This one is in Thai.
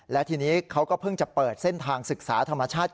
และทีนี้เขาก็เพิ่งจะเปิดเส้นทางศึกษาธรรมชาติ